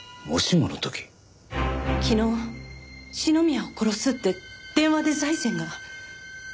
昨日「篠宮を殺す」って電話で財前が。